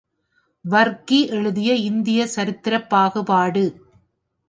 வர்க்கி எழுதிய இந்திய சரித்திரப் பாகுபாடு.